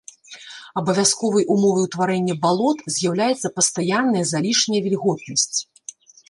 Абавязковай умовай утварэння балот з'яўляецца пастаянная залішняя вільготнасць.